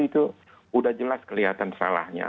itu sudah jelas kelihatan salahnya